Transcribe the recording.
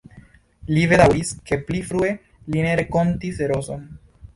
Li bedaŭris, ke pli frue li ne renkontis Roson.